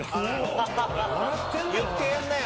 ・言ってやんなよ。